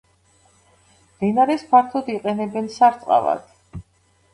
მდინარეს ფართოდ იყენებენ სარწყავად.